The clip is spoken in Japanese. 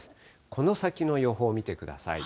この先の予報を見てください。